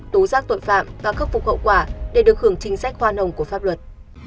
tố giác tội phạm và khắc phục hậu quả để được hưởng chính sách hoa nồng của pháp luật